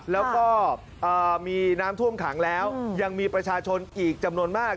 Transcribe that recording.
แล้วก็มีน้ำท่วมขังแล้วยังมีประชาชนอีกจำนวนมาก